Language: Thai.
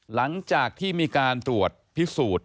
หลังจากที่มีการตรวจพิสูจน์